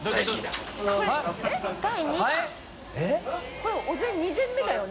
これお膳２膳目だよね？